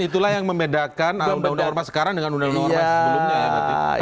dan itulah yang membedakan undang undang ormas sekarang dengan undang undang ormas sebelumnya